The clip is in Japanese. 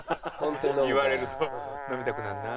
言われると飲みたくなるな。